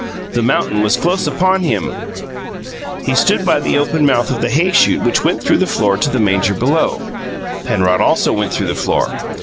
The mountain was close upon him He stood by the open mouth of the hay chute which went through the floor to the manger below. Penrod also went through the floor.